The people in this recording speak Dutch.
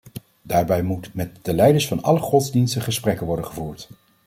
Daarbij moeten met de leiders van alle godsdiensten gesprekken worden gevoerd.